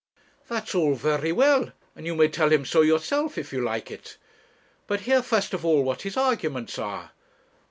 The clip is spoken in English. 'That's all very well; and you may tell him so yourself, if you like it; but hear first of all what his arguments are.